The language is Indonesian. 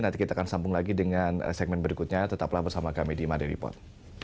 nanti kita akan sambung lagi dengan segmen berikutnya tetaplah bersama kami di made report